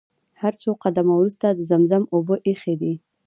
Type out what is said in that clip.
هر څو قدمه وروسته د زمزم اوبه ايښي دي.